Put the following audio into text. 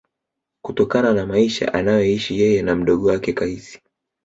Kutokana na maisha anayoishi yeye na mdogo wake Kaisi